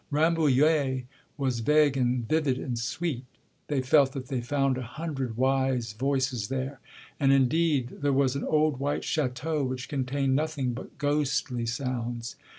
Rambouillet was vague and vivid and sweet; they felt that they found a hundred wise voices there; and indeed there was an old white chateau which contained nothing but ghostly sounds.